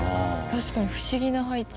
確かに不思議な配置。